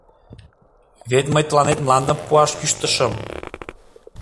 Вет мый тыланет мландым пуаш кӱштышым.